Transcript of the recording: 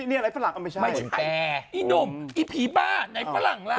นี่อะไรฝรั่งก็ไม่ใช่ไม่ใช่แต่อีหนุ่มอีผีบ้าไหนฝรั่งล่ะ